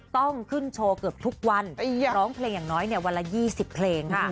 ต้องขึ้นโชว์เกือบทุกวันร้องเพลงอย่างน้อยวันละ๒๐เพลงค่ะ